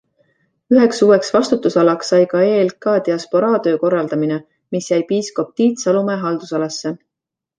Üheks uueks vastutusalaks sai ka EELK diasporaatöö korraldamine, mis jäi piiskop Tiit Salumäe haldusalasse.